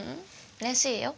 うれしいよ。